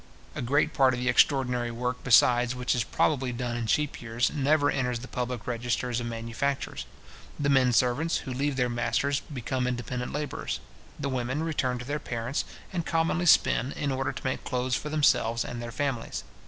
A great part of the extraordinary work, besides, which is probably done in cheap years, never enters the public registers of manufactures. The men servants, who leave their masters, become independent labourers. The women return to their parents, and commonly spin, in order to make clothes for themselves and their families.